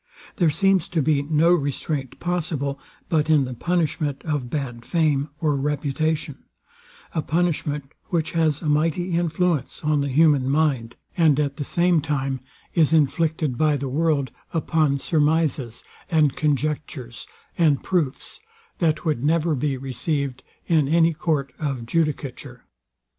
There seems to be no restraint possible, but in the punishment of bad fame or reputation; a punishment, which has a mighty influence on the human mind, and at the same time is inflicted by the world upon surmizes, and conjectures, and proofs, that would never be received in any court of judicature.